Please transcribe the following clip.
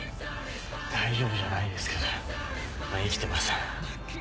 大丈夫じゃないですけどまぁ生きてます。